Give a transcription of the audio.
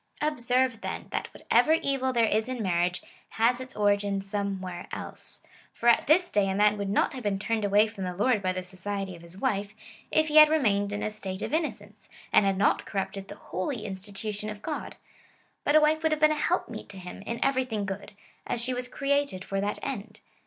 Observe, then, that whatever evil there is in marriage, has its origin somewhere else ; for at this day a man would not have been turned away from the Lord by the society of his wife, if he had remained in a state of innocence, and had not corrupted the holy institu tion of God ; but a wife would have been a help meet to him in everything good, as she was created for that end.